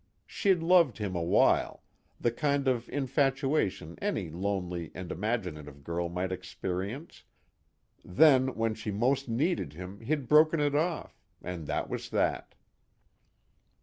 She'd loved him a while, the kind of infatuation any lonely and imaginative girl might experience; then when she most needed him he'd broken it off, and that was that."